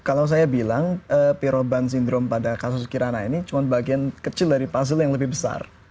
kalau saya bilang piroban sindrom pada kasus kirana ini cuma bagian kecil dari puzzle yang lebih besar